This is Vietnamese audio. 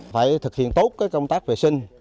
phải thực hiện tốt công tác vệ sinh